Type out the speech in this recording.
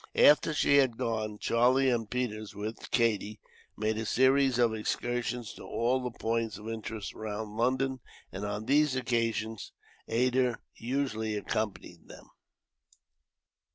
After she had gone, Charlie and Peters, with Katie, made a series of excursions to all the points of interest, round London; and on these occasions Ada usually accompanied them.